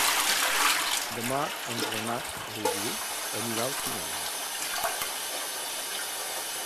Demà en Renat August anirà al cinema.